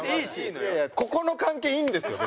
ここの関係いいんですよ